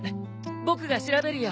僕が調べるよ。